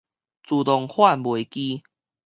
自動販賣機